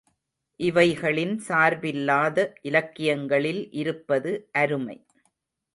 இவைகளின் சார்பில்லாத இலக்கியங்களில் இருப்பது அருமை.